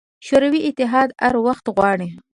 شوروي اتحاد هر وخت غواړي.